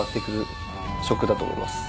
だと思います。